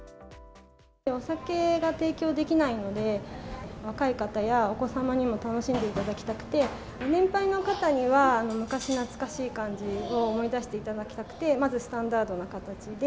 お酒が提供できないので、若い方やお子様にも楽しんでいただきたくて、年輩の方には、昔懐かしい感じを思い出していただきたくて、まずスタンダードな形で。